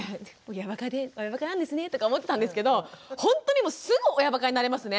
「親ばかなんですね」とか思ってたんですけどほんとにすぐ親ばかになれますね。